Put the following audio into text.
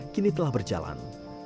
kini telah berjalan